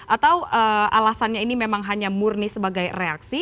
atau alasannya ini memang hanya murni sebagai reaksi